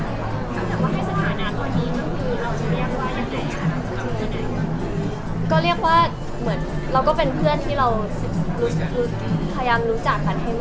สถานะตอนนี้ก็คือเราจะเรียกว่าอย่างไง